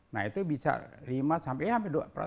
nah itu bisa lima sampai ya sampai dua